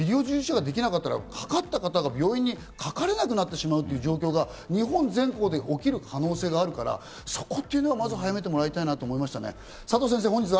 沖縄の状況を見て医療従事者ができなかったら、かかった方が病院にかかれなくなってしまうという状況が日本全国で起きる可能性があるから、そこはまず早めてもらいたいと思いました。